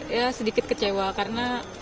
ya sedikit kecewa karena